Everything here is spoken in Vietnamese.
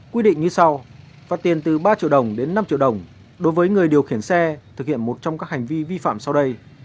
quy định như sau phạt tiền từ ba triệu đồng đến năm triệu đồng đối với người điều khiển xe thực hiện một trong các hành vi vi phạm sau đây